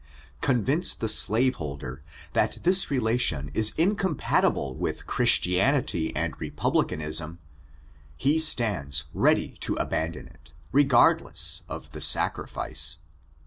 Convince the slaveholder that this relation is incompatible with Christianity and republicanism — ^he stands ready to abandon it, regardless of the sacrifice.